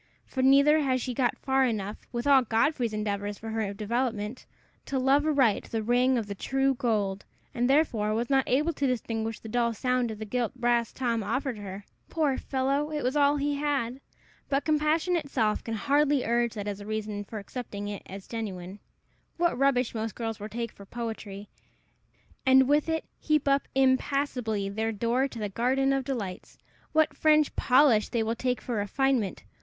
For neither had she got far enough, with all Godfrey's endeavors for her development, to love aright the ring of the true gold, and therefore was not able to distinguish the dull sound of the gilt brass Tom offered her. Poor fellow! it was all he had. But compassion itself can hardly urge that as a reason for accepting it for genuine. What rubbish most girls will take for poetry, and with it heap up impassably their door to the garden of delights! what French polish they will take for refinement!